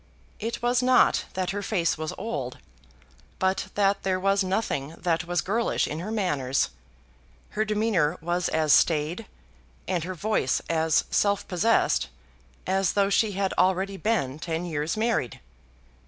It was not that her face was old, but that there was nothing that was girlish in her manners. Her demeanour was as staid, and her voice as self possessed as though she had already been ten years married.